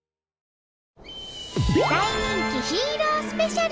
大人気ヒーロースペシャル！